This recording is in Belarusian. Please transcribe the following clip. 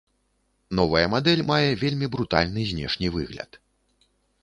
Новая мадэль мае вельмі брутальны знешні выгляд.